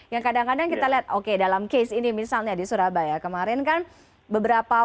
yang kadang kadang kita lihat oke dalam case ini misalnya di surabaya kemarin kan beberapa